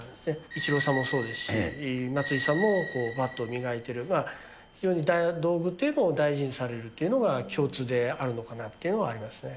イチローさんもそうですし、松井さんもバットを磨いていれば、非常に道具というのを大事にされるというのが共通であるのかなというのはありますね。